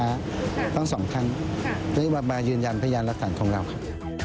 ใช่ค่ะค่ะตั้งสองทั้งนี่มายืนยันพยานลักษณ์ของเราค่ะ